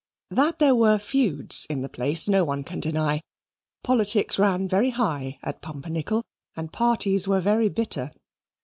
That there were feuds in the place, no one can deny. Politics ran very high at Pumpernickel, and parties were very bitter.